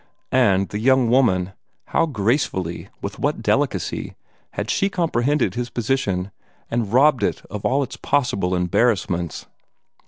And the young woman how gracefully, with what delicacy, had she comprehended his position and robbed it of all its possible embarrassments!